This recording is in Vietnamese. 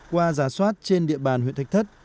qua giả soát trên địa bàn huyện thạch thất